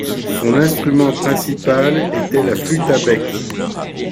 Son instrument principal était la flûte à bec.